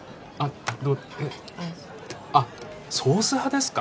あっソース派ですか。